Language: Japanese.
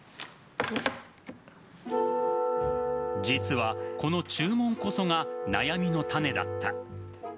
実はこの注文こそが悩みの種だった。